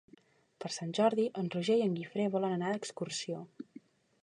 Per Sant Jordi en Roger i en Guifré volen anar d'excursió.